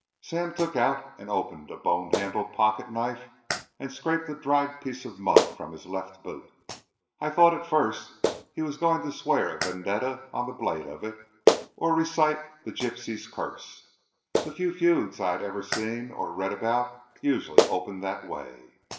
Sam took out and opened a bone handled pocket knife and scraped a dried piece of mud from his left boot. I thought at first he was going to swear a vendetta on the blade of it, or recite "The Gipsy's Curse." The few feuds I had ever seen or read about usually opened that way.